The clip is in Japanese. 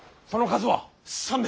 その数は。